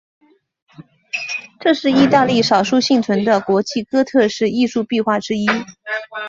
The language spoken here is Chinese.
这是意大利少数幸存的国际哥特式艺术壁画之一。